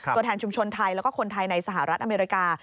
ตัวแทนชุมชนไทยแล้วก็คนไทยในสหรัฐอเมริกา